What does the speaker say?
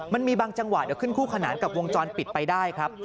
มันมีบางจังหวะเดี๋ยวขึ้นคู่ขนานกับวงจรปิดไปได้ครับ